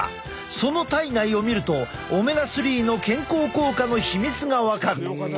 その体内を見るとオメガ３の健康効果の秘密が分かる。